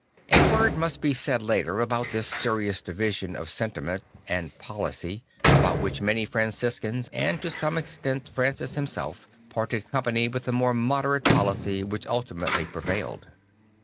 A word must be said later about this serious division of sentiment and policy, about \vhich many Franciscans, and to some extent Francis himself, parted company with the more moderate policy which ultimately prevailed.